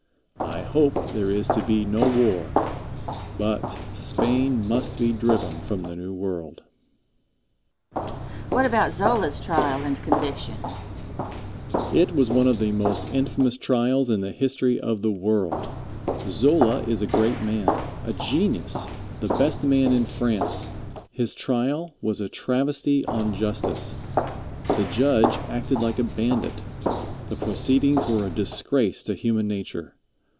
I hope there is to be no war, but Spain must be driven from the New World. Question. What about Zola's trial and conviction? Answer. It was one of the most infamous trials in the history of the world. Zola is a great man, a genius, the best man in France. His trial was a travesty on justice. The judge acted like a bandit. The proceedings were a disgrace to human nature.